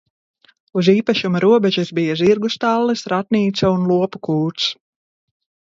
Uz īpašuma robežas bija zirgu stallis, ratnīca un lopu kūts.